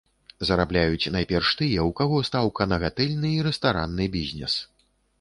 Зарабляюць найперш тыя, у каго стаўка на гатэльны і рэстаранны бізнес.